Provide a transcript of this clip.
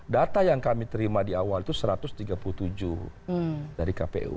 data yang kami terima di awal itu satu ratus tiga puluh tujuh dari kpu